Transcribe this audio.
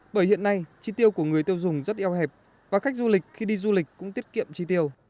bởi hiện nay chi tiêu của người tiêu dùng rất eo hẹp và khách du lịch khi đi du lịch cũng tiết kiệm chi tiêu